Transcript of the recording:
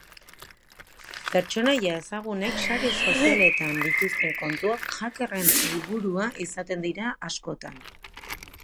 Pertsonaia ezagunek sare sozialetan dituzten kontuak hackerren helburua izaten dira askotan.